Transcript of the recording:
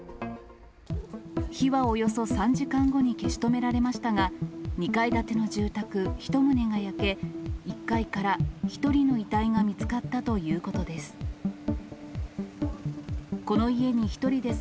火はおよそ３時間後に消し止められましたが、２階建ての住宅１棟が焼け、１階から１人の遺体が見つかったということです。